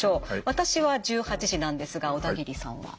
私は１８時なんですが小田切さんは？